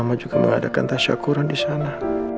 mama juga mengadakan tasyakuran disana